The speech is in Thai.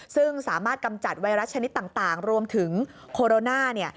ซึ่งสามารถกำจัดไวรัสชนิดต่างรวมถึงโคโรนาเนี่ย